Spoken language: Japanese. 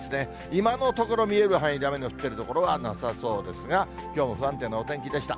今のところ、見える範囲で雨の降っている所はなさそうですが、きょうも不安定なお天気でした。